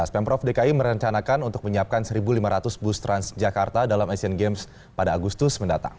pemprov dki merencanakan untuk menyiapkan satu lima ratus bus transjakarta dalam asian games pada agustus mendatang